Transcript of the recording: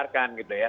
menolakkan gitu ya